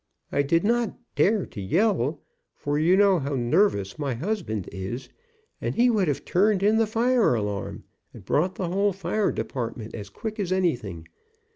I did not dare to yell, for you know how nervous my husband is, and he would have turned in the fire alarm and brought the whole fire department as quick as anything.